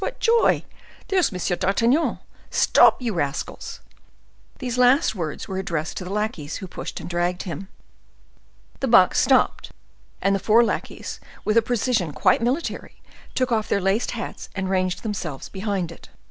what joy! There's M. d'Artagnan. Stop, you rascals!" These last words were addressed to the lackeys who pushed and dragged him. The box stopped, and the four lackeys, with a precision quite military, took off their laced hats and ranged themselves behind it.